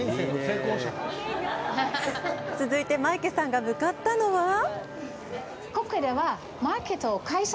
続いてマイケさんが向かったのは？